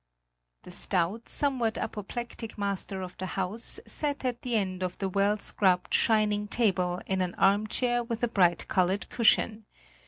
The stout, somewhat apoplectic master of the house sat at the end of the well scrubbed, shining table in an armchair with a bright coloured cushion.